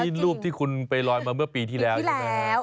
อันนี้ลูกที่คุณไปลอยมาเมื่อปีที่แล้ว